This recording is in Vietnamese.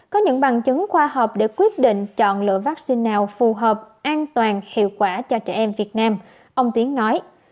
có những bằng chứng khoa học để quyết định chọn lựa vaccine nào phù hợp an toàn hiệu quả cho trẻ em việt nam ông tiến nói